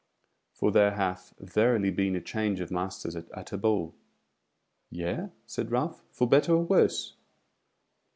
For there hath verily been a change of masters at Utterbol." "Yea," said Ralph, "for better or worse?"